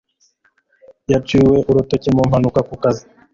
Yaciwe urutoki mu mpanuka ku kazi